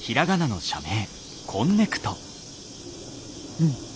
うん！